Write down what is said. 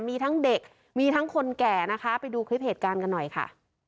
มีทั้งเด็กมีทั้งคนแก่นะคะไปดูคลิปเหตุการณ์กันหน่อยค่ะ